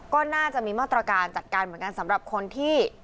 ก็น่าจะมีมาตรการจัดการเหมือนกันสำหรับคนที่